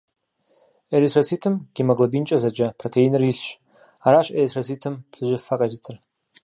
Эритроцитым гемоглобинкӏэ зэджэ протеиныр илъщ — аращ эритроцитым плъыжьыфэ къезытыр.